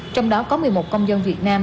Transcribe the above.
trong đó có một mươi một công dân việt nam